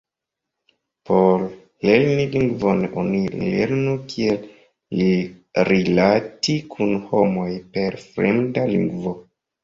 Por lerni lingvon, oni lernu kiel rilati kun homoj per fremda lingvo.